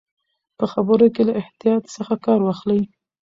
په خبرو کې له احتیاط څخه کار واخلئ.